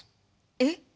えっ！？